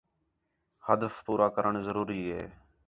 ہدف پورا کرݨ ضروری ہے